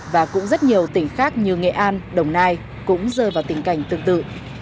và cũng rất nhiều tỉnh khác như nghệ an đồng nai cũng rơi vào tình cảnh tương tự